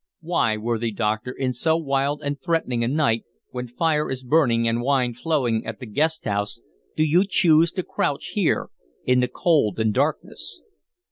Why, worthy doctor, in so wild and threatening a night, when fire is burning and wine flowing at the guest house, do you choose to crouch here in the cold and darkness?"